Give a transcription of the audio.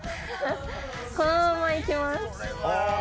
このまま行きます。